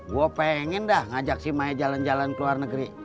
gue pengen dah ngajak si maya jalan jalan ke luar negeri